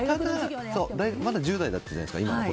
まだ１０代だったじゃないですか。